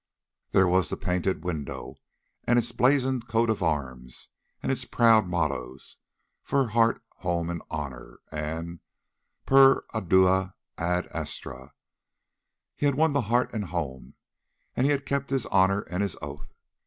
There was the painted window, with its blazoned coats of arms and its proud mottoes—"For Heart, Home, and Honour," and "Per ardua ad astra." He had won the heart and home, and he had kept his honour and his oath.